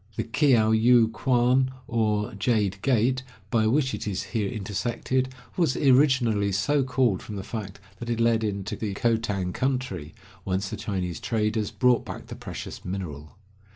The Kiayu kuan, or "Jade Gate," by which it is here intersected, was originally so called from the fact that it led into the Khotan country, whence the Chinese traders brought back the precious mineral.